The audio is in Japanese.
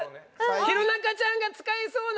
弘中ちゃんが使いそうな。